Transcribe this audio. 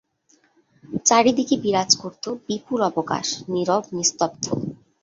চারি দিকে বিরাজ করত বিপুল অবকাশ নীরব নিস্তব্ধ।